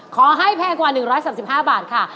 ขอให้แพงกว่า๑๓๕บาทค่ะ